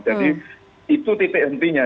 jadi itu titik hentinya